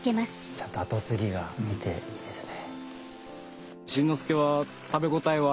ちゃんと後継ぎがいていいですね。